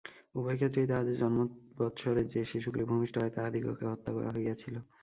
উভয় ক্ষেত্রেই তাঁহাদের জন্মবৎসরে যে শিশুগুলি ভূমিষ্ঠ হয়, তাহাদিগকে হত্যা করা হইয়াছিল।